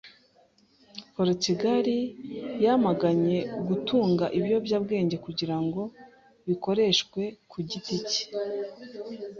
Porutugali yamaganye gutunga ibiyobyabwenge kugira ngo bikoreshwe ku giti cye.